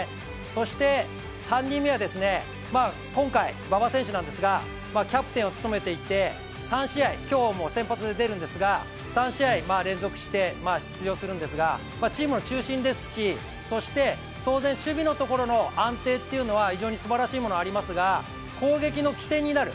そして、３人目は今回、馬場選手ですがキャプテンを務めていて３試合今日も先発で出るんですが３試合連続して出場するんですが、チームの中心ですしそして、当然、守備のところの安定というのは非常にすばらしいものがありますが、攻撃の起点になる。